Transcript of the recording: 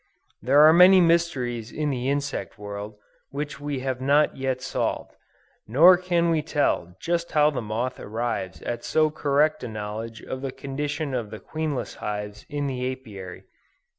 There are many mysteries in the insect world, which we have not yet solved; nor can we tell just how the moth arrives at so correct a knowledge of the condition of the queenless hives in the Apiary.